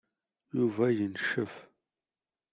Yuba yencef.